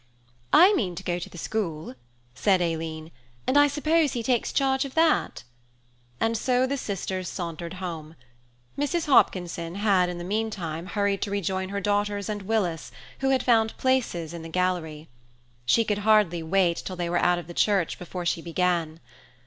"I mean to go to the school," said Aileen, "and I suppose he takes charge of that," and so the sisters sauntered home. Mrs. Hopkinson had in the meantime hurried to rejoin her daughters and Willis, who had found places in the gallery. She could hardly wait till they were out of the church before she began.